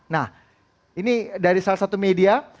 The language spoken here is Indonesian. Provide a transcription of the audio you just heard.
nah ini dari salah satu media